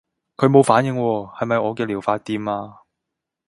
佢冇反應喎，係咪我嘅療法掂啊？